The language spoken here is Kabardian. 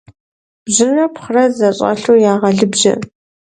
Бжьынрэ пхъырэ зэщӀэлъу ягъэлыбжьэ.